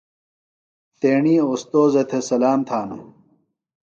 تیݨی اوستوذہ تھےۡ سلام تھانہ۔